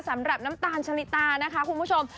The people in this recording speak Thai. สำหรับน้ำตาลชะลิตานะคะคุณผู้ชม